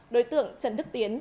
đối tượng trần đức tiến